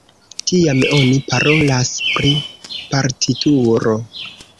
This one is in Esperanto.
Tiam oni parolas pri partituro.